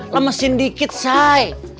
lemesin dikit say